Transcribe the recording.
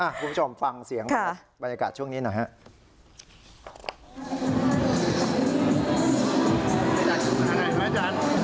คุณผู้ชมฟังเสียงบรรยากาศช่วงนี้หน่อยฮะ